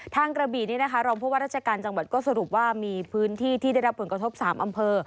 ทางกระบีรองพบวัตถ์ราชการจังหวัดก็สรุปว่ามีพื้นที่ที่ได้รับผลกระทบ๓อำเภอ